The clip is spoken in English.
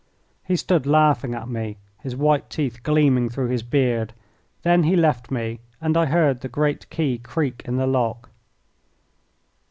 He stood laughing at me, his white teeth gleaming through his beard. Then he left me, and I heard the great key creak in the lock.